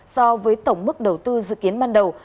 so với tổng mức đầu tư dự kiến ban đầu